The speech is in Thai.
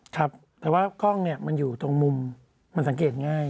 ครับแต่ว่ากล้องเนี่ยมันอยู่ตรงมุมมันสังเกตง่าย